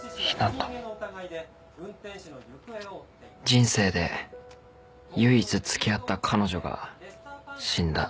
［人生で唯一付き合った彼女が死んだ］